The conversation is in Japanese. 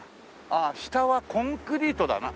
ああ下はコンクリートだな。